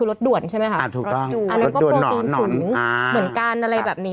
รถด่วนใช่ไหมคะอันนั้นก็โปรตีนสูงเหมือนกันอะไรแบบนี้